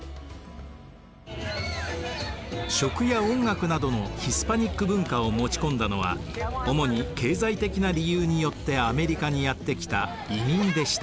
食や音楽などのヒスパニック文化を持ち込んだのは主に経済的な理由によってアメリカにやってきた移民でした。